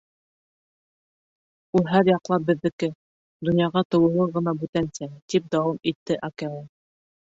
— Ул һәр яҡлап беҙҙеке, донъяға тыуыуы ғына бүтәнсә, — тип дауам итте Акела.